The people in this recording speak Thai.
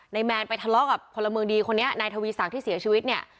นายแมนไปทะเลาะกับคนละมือดีคนนี้นายทวีสังที่เสียชีวิตเนี่ย